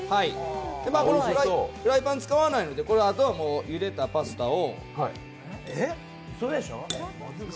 フライパンを使わないので、あとはゆでたパスタを。